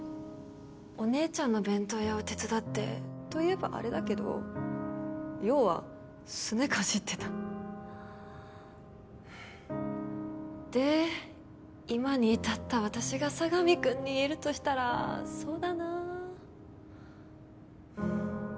お姉ちゃんの弁当屋を手伝ってといえばアレだけど要はすねかじってたで今にいたった私が佐神くんに言えるとしたらそうだな